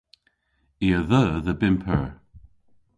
I a dheu dhe bymp eur.